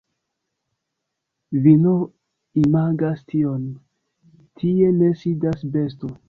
Vi nur imagas tion, tie ne sidas besto.